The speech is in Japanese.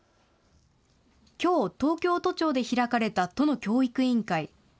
きょう東京都庁で開かれた都の教育委員会。